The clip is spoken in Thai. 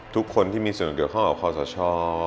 ทุกคนที่มีส่วนเกี่ยวข้องกับคอสช